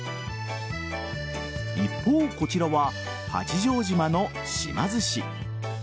一方こちらは八丈島の島ずし。